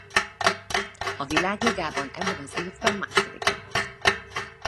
A Világligában ebben az évben második lett.